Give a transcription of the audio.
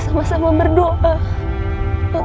kamu harus tenang